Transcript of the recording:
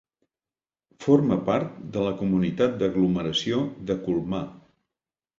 Forma part de la Comunitat d'Aglomeració de Colmar.